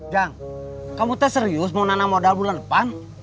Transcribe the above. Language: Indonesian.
jang kamu tes serius mau nana modal bulan depan